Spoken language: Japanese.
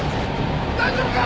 大丈夫か！？